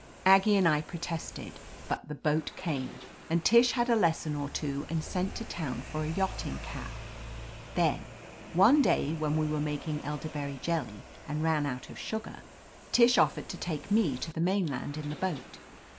Aggie and I protested, but the boat came, and Tish had a lesson or two and sent to town for a yachting cap. Then, one day when we were making elderberry jelly and ran out of sugar, Tish offered to take me (o the mainland in the boat.